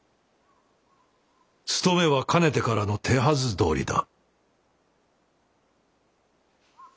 盗めはかねてからの手はずどおりだ。